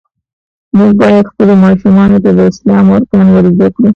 مونږ باید خپلو ماشومانو ته د اسلام ارکان ور زده کړو.